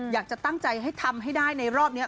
อยากจะตั้งใจให้ทำให้ได้ในรอบนี้